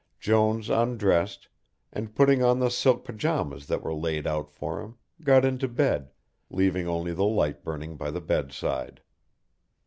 Jones undressed, and putting on the silk pyjamas that were laid out for him, got into bed, leaving only the light burning by the bedside.